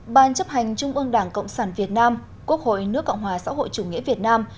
ban chấp hành trung ương đảng cộng sản việt nam quốc hội nước cộng hòa xã hội chủ nghĩa việt nam